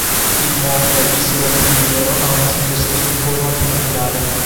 Il monte, visto dal Primiero, ha una suggestiva forma piramidale.